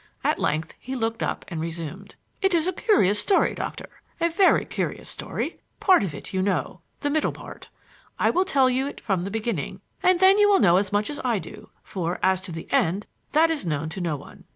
At length he looked up and resumed: "It is a curious story, Doctor a very curious story. Part of it you know the middle part. I will tell you it from the beginning, and then you will know as much as I do; for, as to the end, that is known to no one.